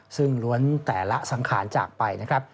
ซึ่งล้วนแต่ละสังขารจากไปนะครับ